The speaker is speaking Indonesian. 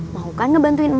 mau kan ngebantuin emak